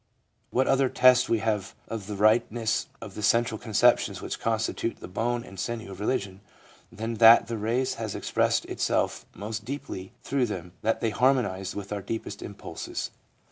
What other test have we of the Tightness of those central conceptions which constitute the bone and sinew of religion than that the race has expressed itself most deeply through them, that they harmonise with our deepest impulses?